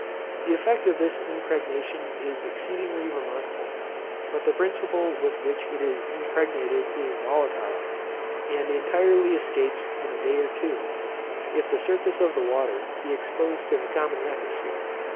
The effect of this impregnation is exceedingly remarkable; but the principle with which it is impregnated is volatile, and intirely escapes in a day or two, if the surface of the water be exposed to the common atmosphere.